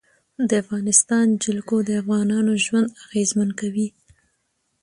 د افغانستان جلکو د افغانانو ژوند اغېزمن کوي.